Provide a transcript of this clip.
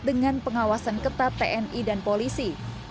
dengan pengawasan ketat tni dan polisi